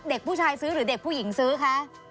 เด็กผู้ชายซื้อหรือเด็กผู้หญิงซื้อคะ